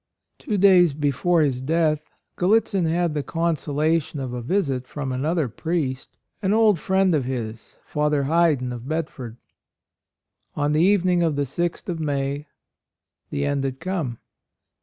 Two days before his death Gallitzin had the consolation of a visit from another priest, an old friend of his — Father Heyden, of Bedford. On the evening of the 6th of May the end had come.